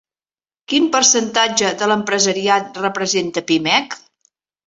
Quin percentatge de l'empresariat representa Pimec?